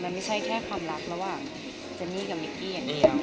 มันไม่ใช่แค่ความรักระหว่างเจนนี่กับมิกกี้อย่างเดียว